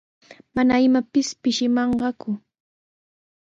Mana imapis pishimanqaku.